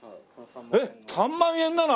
えっ３万円なの？